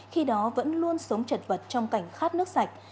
khi đó vẫn luôn sống chật vật trong cảnh khát nước sạch